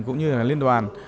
cũng như là liên đoàn